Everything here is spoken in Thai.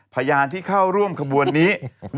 พยานที่เข้าร่วมขบวนนี้